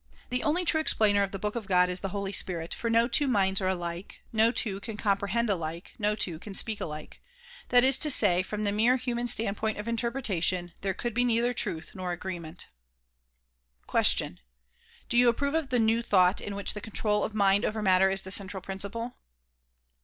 The only true explainer of the book of God is the Holy Spirit, for no two minds are alike, no two can comprehend alike, no two can speak alike. That is to say, from the mere human 208 THE PROMULGATION OF UNIVERSAL PEACE standpoint of interpretation there could be neither truth nor agreement. '' Question: Do you approve of the "new thought" in which the control of mind over matter is the central principle?